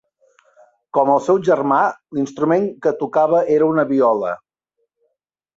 Com el seu germà, l'instrument que tocava era una viola.